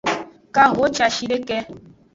Kahociashideke.